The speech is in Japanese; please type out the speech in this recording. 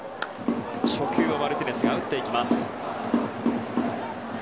初球、マルティネスが打っていきます。